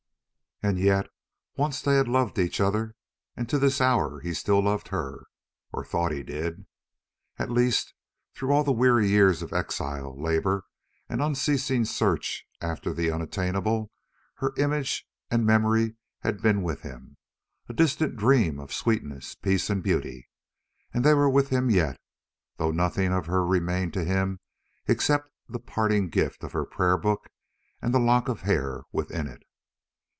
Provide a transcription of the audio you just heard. And yet once they had loved each other, and to this hour he still loved her, or thought that he did. At least, through all the weary years of exile, labour, and unceasing search after the unattainable, her image and memory had been with him, a distant dream of sweetness, peace, and beauty, and they were with him yet, though nothing of her remained to him except the parting gift of her prayer book and the lock of hair within it.